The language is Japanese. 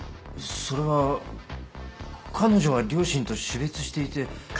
それは彼女は両親と死別していて。